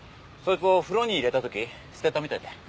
そいつを風呂に入れた時捨てたみたいで。